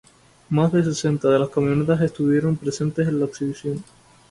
Más de sesenta de las camionetas estuvieron presentes en la exhibición.